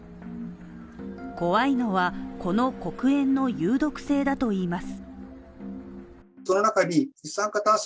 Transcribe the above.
怖いのは、この黒煙の有毒性だといいます。